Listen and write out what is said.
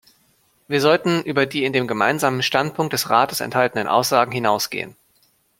Wir sollten über die in dem Gemeinsamen Standpunkt des Rates enthaltenen Aussagen hinausgehen.